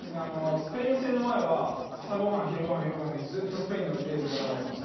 スペイン戦の前は朝ご飯昼ご飯夜ご飯の時ずっとスペインの映像が流れてました。